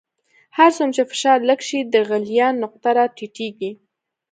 هر څومره چې فشار لږ شي د غلیان نقطه را ټیټیږي.